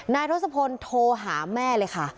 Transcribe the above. ทศพลโทรหาแม่เลยค่ะ